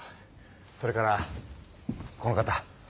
それからこの方。